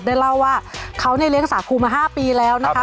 เล่าว่าเขาเนี่ยเลี้ยงสาครูมา๕ปีแล้วนะคะ